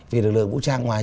vì lực lượng vũ trang ngoài